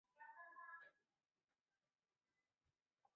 古埃及人使用竹子制作的渔梁篮子在尼罗河捕鱼。